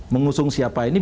mengusung siapa ini